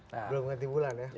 belum nanti bulan ya